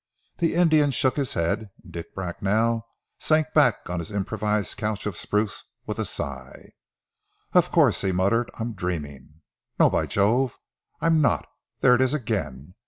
The Indian shook his head and Dick Bracknell sank back on his improvised couch of spruce, with a sigh. "Of course," he muttered, "I'm dreaming. No, by Jove! I'm not. There it is again.